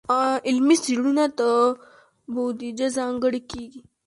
علمي څیړنو ته بودیجه ځانګړې کیږي.